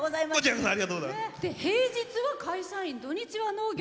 平日は会社員土日は農業。